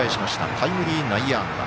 タイムリー内野安打。